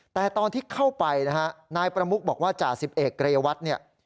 แต่ตอนที่เข้าไปนะฮะนายประมุกบอกว่าจ่าสิบเอกเรวัตเนี่ย